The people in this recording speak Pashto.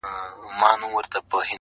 د آبادۍ د کرارۍ او د ښارونو کیسې!